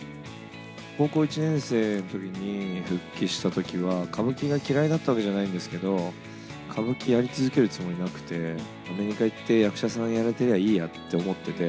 高校１年生のときに、復帰したときは、歌舞伎が嫌いだったわけじゃないんですけど、歌舞伎やり続けるつもりなくて、アメリカ行って、役者さんやれてりゃいいやって思ってて。